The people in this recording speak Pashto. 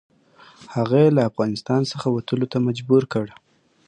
هغه یې له افغانستان څخه وتلو ته مجبور کړ.